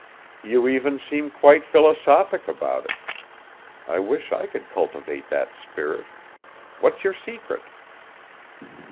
You even seem quite philosophic about it. I wish I could cultivate that spirit. What's your secret?"